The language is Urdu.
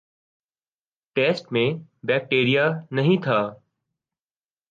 ٹیسٹ میں بیکٹیریا نہیں تھا